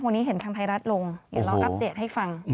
วันนี้เห็นทางไทยรัฐลงอยากลองอัปเดตให้ฟัง